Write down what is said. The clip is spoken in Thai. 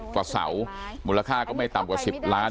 กว่าเสามูลค่าก็ไม่ต่ำกว่า๑๐ล้าน